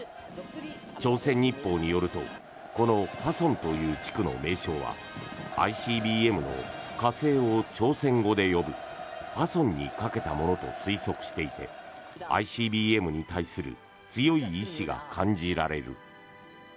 朝鮮日報によるとこの和盛という地区の名称はＩＣＢＭの火星を朝鮮語で呼ぶ「ファソン」にかけたものと推測していてＩＣＢＭに対する強い意思が感じられる。